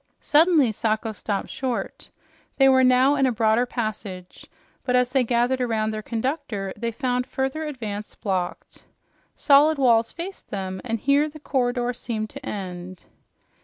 Suddenly Sacho stopped short. They were now in a broader passage, but as they gathered around their conductor they found further advance blocked. Solid walls faced them, and here the corridor seemed to end.